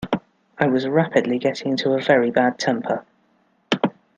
I was rapidly getting into a very bad temper.